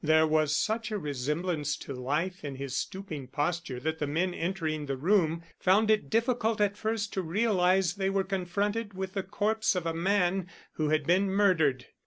There was such a resemblance to life in his stooping posture that the men entering the room found it difficult at first to realize they were confronted with the corpse of a man who had been murdered.